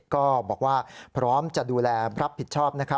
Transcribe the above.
ก็บอกว่าพร้อมจะดูแลรับผิดชอบนะครับ